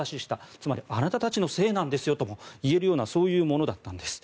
つまりあなたたちのせいなんですよとも言えるようなそういうものだったんです。